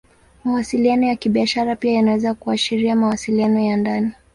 Mawasiliano ya Kibiashara pia yanaweza kuashiria mawasiliano ya ndani.